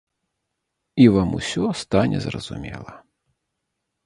І вам усё стане зразумела.